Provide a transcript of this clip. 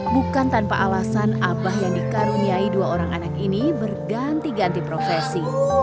bukan tanpa alasan abah yang dikaruniai dua orang anak ini berganti ganti profesi